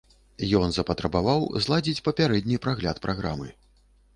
Ён запатрабаваў зладзіць папярэдні прагляд праграмы.